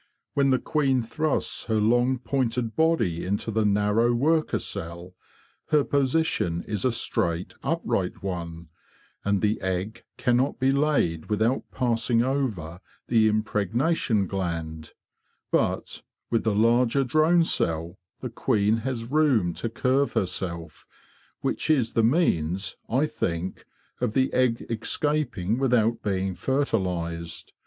When the queen thrusts her long pointed body into the narrow worker cell, her position is a straight, up right one, and the egg cannot be laid without passing over the impregnation gland; but with the larger drone cell the queen has room to curve herself, which is the means, I think, of the egg escaping without being fertilised.